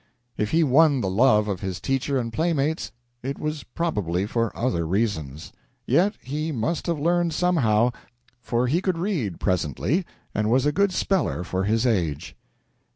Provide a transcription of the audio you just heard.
If he won the love of his teacher and playmates, it was probably for other reasons. Yet he must have learned somehow, for he could read, presently, and was a good speller for his age.